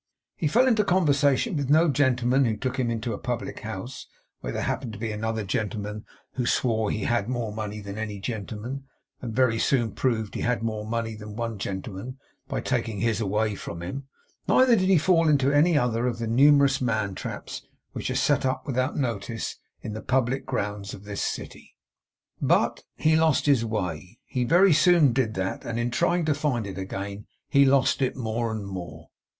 He fell into conversation with no gentleman who took him into a public house, where there happened to be another gentleman who swore he had more money than any gentleman, and very soon proved he had more money than one gentleman by taking his away from him; neither did he fall into any other of the numerous man traps which are set up without notice, in the public grounds of this city. But he lost his way. He very soon did that; and in trying to find it again he lost it more and more.